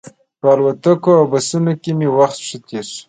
په الوتکو او بسونو کې مې وخت ښه تېر شي.